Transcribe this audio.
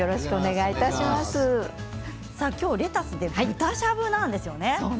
今日レタスで豚しゃぶなんですよね。